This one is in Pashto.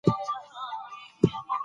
مېلې د ټولني د فرهنګي میراث یوه برخه ده.